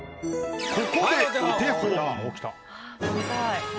ここでお手本。